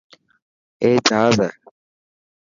اي جهاز هي.